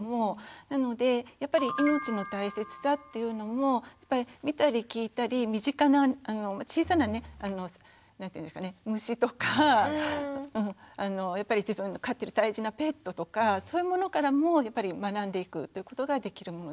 なのでやっぱり命の大切さっていうのも見たり聞いたり身近な小さなね虫とかやっぱり自分の飼ってる大事なペットとかそういうものからもやっぱり学んでいくということができるものだと思いますね。